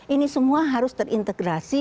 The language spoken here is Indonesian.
ini semua harus terintegrasi